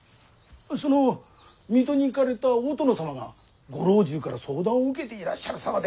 その水戸に行かれた大殿様がご老中から相談を受けていらっしゃるそうで。